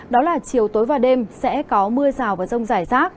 đó là chiều tối và đêm sẽ có mưa rào và rông rải rác